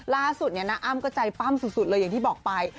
ล่าสุดเนี่ยน้าอ้ำก็ใจปั้มสุดเลยอย่างที่บอกไป